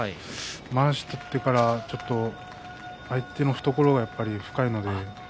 まわしを取ってからちょっと相手の懐が深いので。